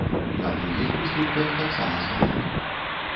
На другіх прыступках таксама званок.